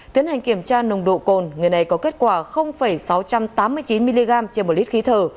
tiến hành kiểm tra nồng độ cồn người này có kết quả sáu trăm tám mươi chín mg trên một lít khí thở